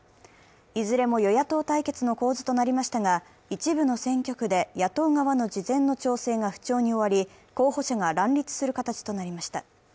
いずれも与野党対決の構図となりましたが、一部の選挙区で野党側の事前の調整が不調に終わり、候補者が乱立する形となりました。